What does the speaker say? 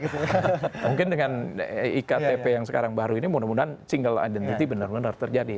mungkin dengan iktp yang sekarang baru ini mudah mudahan single identity benar benar terjadi